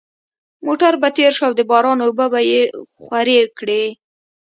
موټر به تېر شو او د باران اوبه به یې خورې کړې